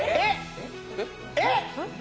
えっ！？